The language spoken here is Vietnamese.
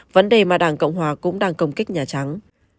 vấn đề mà đảng cộng hòa cũng đang công kích nhà trắng